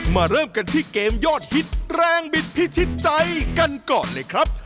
เริ่มกันที่เกมยอดฮิตแรงบิดพิชิตใจกันก่อนเลยครับ